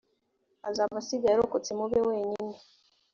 azaba asigaye arokotse mu be wenyine